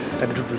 kita duduk dulu